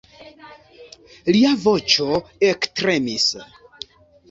Lia voĉo ektremis.